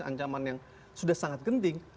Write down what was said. ancaman yang sudah sangat genting